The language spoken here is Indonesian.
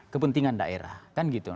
kepentingan daerah kan gitu